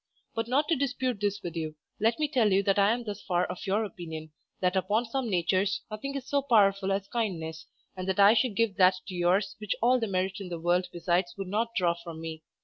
But not to dispute this with you, let me tell you that I am thus far of your opinion, that upon some natures nothing is so powerful as kindness, and that I should give that to yours which all the merit in the world besides would not draw from me.